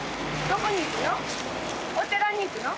どこに行くの？